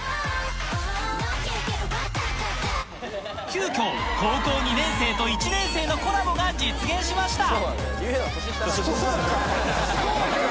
急きょ高校２年生と１年生のコラボが実現しました